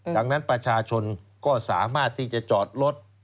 ดังนั้นประชาชนก็สามารถที่จะจอดรถ